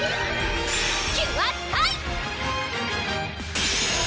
キュアスカイ！